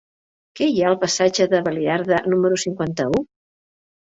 Què hi ha al passatge de Baliarda número cinquanta-u?